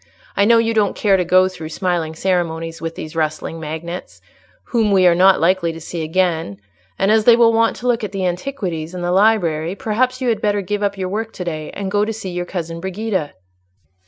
I know you don't care to go through smiling ceremonies with these rustling magnates, whom we are not likely to see again; and as they will want to look at the antiquities and the library, perhaps you had better give up your work to day, and go to see your cousin Brigida."